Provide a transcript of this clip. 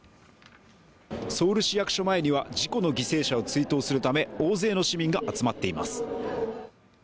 ソウル市役所前には、事故の犠牲者を追悼するため大勢の市民が集まっています。